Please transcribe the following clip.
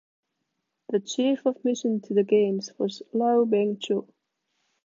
The Chief of mission to the games was Low Beng Choo.